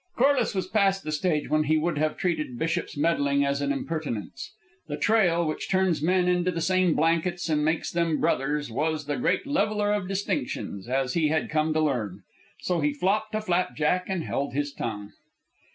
Corliss was past the stage when he would have treated Bishop's meddling as an impertinence. The trail, which turns men into the same blankets and makes them brothers, was the great leveller of distinctions, as he had come to learn. So he flopped a flapjack and held his tongue.